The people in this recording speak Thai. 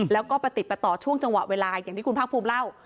แล้วก็ประติดประต่อช่วงจังหวะเวลาอย่างที่คุณภาคภูมิเล่า